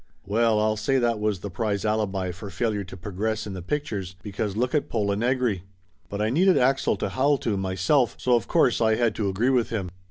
Well, I'll say that was the prize alibi for failure to progress in the pictures, because lookit Pola Negri. But I needed Axel to howl to, myself, so of course I had to agree with him.